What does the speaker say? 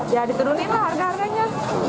ya diturunin lah harganya